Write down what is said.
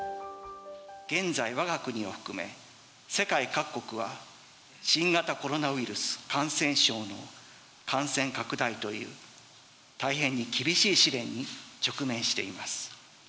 現在わが国を含め、世界各国は新型コロナウイルス感染症の感染拡大という、大変に厳しい試練に直面しています。